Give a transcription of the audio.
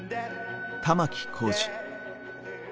玉置浩二。